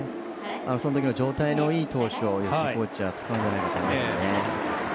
その時の状態のいい投手を吉井コーチは使うんじゃないかと思いますね。